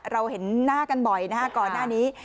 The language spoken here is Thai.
เราเห็นหน้ากันบ่อยนะฮะก่อนหน้านี้